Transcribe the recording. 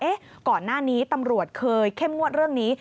ก่อนหน้านี้ตำรวจเคยเข้มงวดเรื่องนี้